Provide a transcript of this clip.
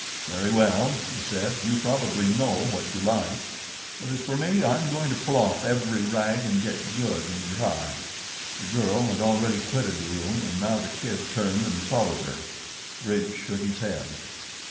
"Very well," he said; "you probably know what you like; but as for me, I'm going to pull off every rag and get good and dry." The girl had already quitted the room and now The Kid turned and followed her. Bridge shook his head.